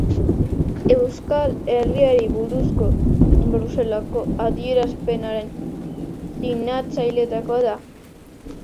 Euskal Herriari buruzko Bruselako Adierazpenaren sinatzaileetakoa da.